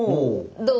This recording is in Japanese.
どう？